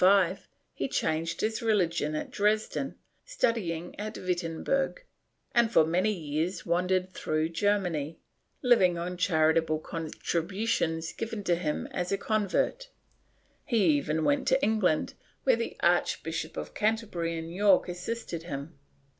80, 478 PROTESTANTISM [Book VIII 25, he changed his religion at Dresden, studied at Wittenberg, and for many years wandered through Germany, Uving on chari table contributions given to him as a convert. He even went to England, where the Archbishops of Canterbury and York assisted him.